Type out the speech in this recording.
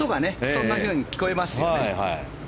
そんなふうに聞こえますよね。